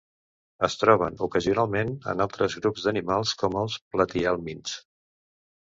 Es troben ocasionalment en altres grups d'animals com els platihelmints.